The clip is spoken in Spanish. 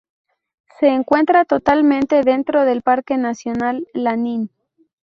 Se encuentra totalmente dentro del Parque Nacional Lanín.